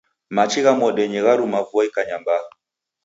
Machi gha mwadenyi gharumagha vua ikanya mbaa.